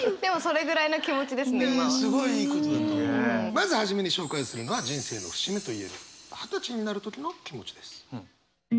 まず初めに紹介するのは人生の節目といえる二十歳になるときの気持ちです。